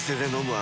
あ！